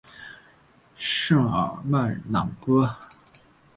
圣日尔曼朗戈。